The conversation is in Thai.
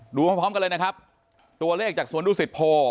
หลวงไปพร้อมกันเลยนะครับตัวเลขสวรรค์ดูกศีลโภ